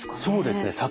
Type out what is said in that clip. そうですね。